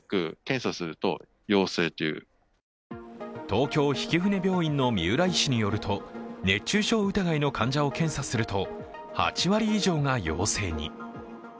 東京曳舟病院の三浦医師によると、熱中症疑いの患者を検査すると８割以上が陽性に。